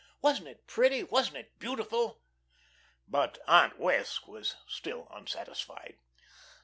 Wasn't it pretty, wasn't it beautiful? But Aunt Wess' was still unsatisfied.